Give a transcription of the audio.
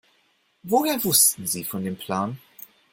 Woher wussten Sie von dem Plan?